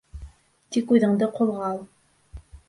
Тик үҙеңде ҡулға ал.